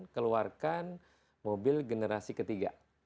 keluarkan mobil generasi ketiga